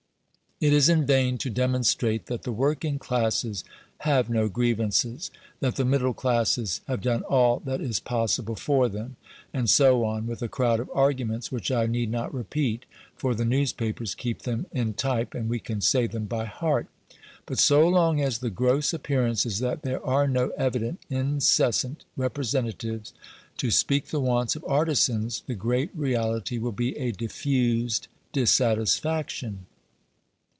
It is in vain to demonstrate that the working classes have no grievances; that the middle classes have done all that is possible for them, and so on with a crowd of arguments which I need not repeat, for the newspapers keep them in type, and we can say them by heart. But so long as the "gross appearance" is that there are no evident, incessant representatives to speak the wants of artisans, the "great reality" will be a diffused dissatisfaction.